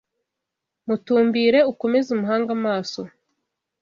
Mutumbire, ukomeze umuhange amaso